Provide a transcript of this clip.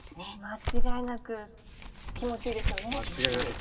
間違いなく気持ちいいです。